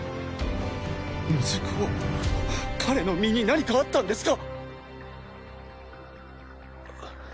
モズクは彼の身に何かあったんですか！？